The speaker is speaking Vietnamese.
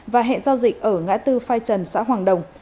và hẹn giao dịch ở ngã tư phai trần xã hoàng đồng